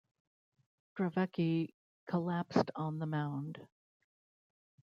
Dravecky collapsed on the mound.